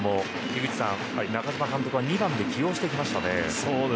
井口さん、中嶋監督は２番で起用してきましたね。